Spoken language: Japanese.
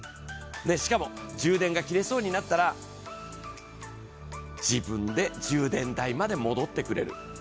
しかも充電が切れそうになったら、自分で充電台まで戻ってくれる。